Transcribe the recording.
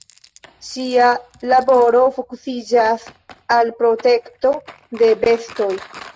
Ŝia laboro fokusiĝas al protekto de bestoj.